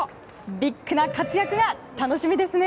ビッグな活躍が楽しみですね。